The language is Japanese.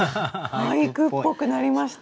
俳句っぽくなりました！